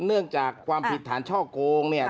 เนื่องจากความผิดฐานช่อโกงเนี่ย